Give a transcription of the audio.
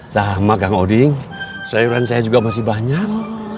sama kang odeng sayuran saya juga masih banyak